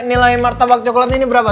nilai martabak coklat ini berapa